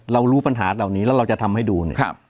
รู้ปัญหาเหล่านี้แล้วเราจะทำให้ดูเนี่ย